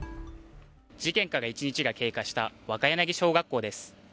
事件から１日が経過した若柳小学校です。